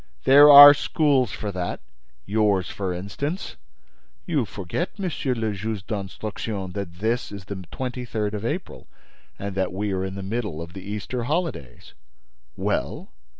"There are schools for that: yours, for instance." "You forget, Monsieur le Juge d'Instruction, that this is the twenty third of April and that we are in the middle of the Easter holidays." "Well?"